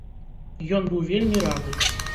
Ён быў вельмі рады.